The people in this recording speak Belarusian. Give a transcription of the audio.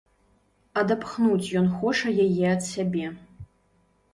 Адапхнуць ён хоча яе ад сябе.